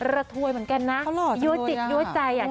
ระทวยเหมือนกันนะเขาหล่อจังโดยย่างยั่วจิ๊กยั่วใจอ่ะ